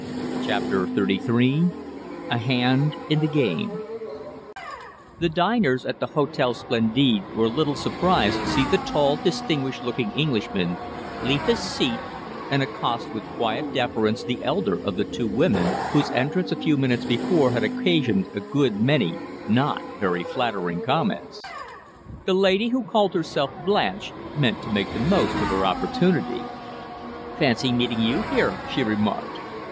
CHAPTER XXXIII A HAND IN THE GAME The diners at the Hotel Splendide were a little surprised to see the tall, distinguished looking Englishman leave his seat and accost with quiet deference the elder of the two women, whose entrance a few minutes before had occasioned a good many not very flattering comments. The lady who called herself Blanche meant to make the most of her opportunity. "Fancy meeting you here," she remarked.